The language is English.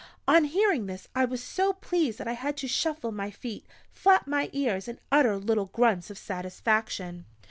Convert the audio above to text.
On hearing this I was so pleased that I had to shuffle my feet, flap my ears, and utter little grunts of satisfaction!